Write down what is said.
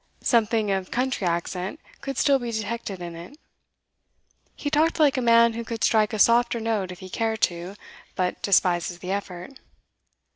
Something of country accent could still be detected in it. He talked like a man who could strike a softer note if he cared to, but despises the effort.